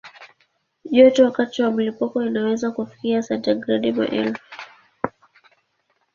Joto wakati wa mlipuko inaweza kufikia sentigredi maelfu.